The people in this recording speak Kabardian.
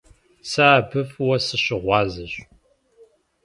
Сэ абы фӀыуэ сыщыгъуазэщ!